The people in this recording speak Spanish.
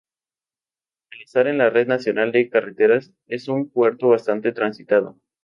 Al estar en la red nacional de carreteras es un puerto bastante transitado.